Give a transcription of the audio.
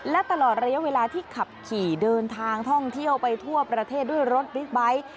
และตลอดระยะเวลาที่ขับขี่เดินทางท่องเที่ยวไปทั่วประเทศด้วยรถบิ๊กไบท์